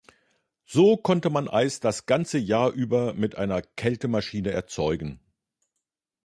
So konnte man Eis das ganze Jahr über mit einer Kältemaschine erzeugen.